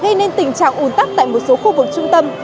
gây nên tình trạng ủn tắc tại một số khu vực trung tâm